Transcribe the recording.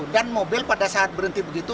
dan mobil pada saat berhenti begitu